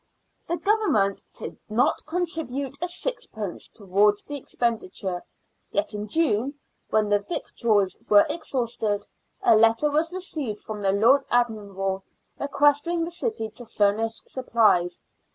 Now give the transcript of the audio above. The Government did not contribute a sixpence towards the expenditure, yet in June, when the victuals were exhausted, a letter was received from the Lord Admiral, requesting the city to furnish supplies.